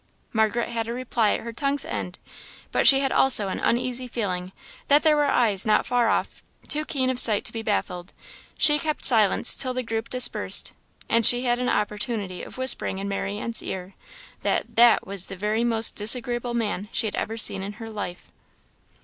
Margaret had a reply at her tongue's end, but she had also an uneasy feeling that there were eyes not far off too keen of sight to be baffled; she kept silence till the group dispersed, and she had an opportunity of whispering in Marianne's ear that "that was the very most disagreeable man she had ever seen in her life."